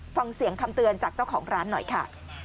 ฟังเสียงคำเตือนจากเจ้าของร้านหน่อยค่ะ